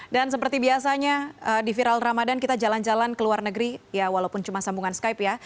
dan seperti biasanya di viral ramadan kita jalan jalan ke luar negeri ya walaupun cuma sambungan skype ya